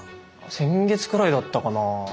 先月くらいだったかな。